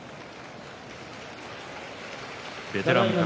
ベテラン宝